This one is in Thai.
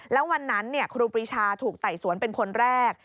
แล้ววันนั้นครูปรีชาถูกไต่สวนเป็นคนแรก